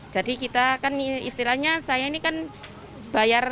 jadi kita kan istilahnya saya ini kan bayar